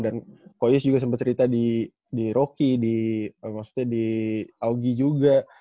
dan ko yus juga sempet cerita di rocky di maksudnya di augie juga